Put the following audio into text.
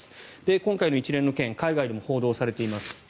今回の一連の件海外でも報道されています。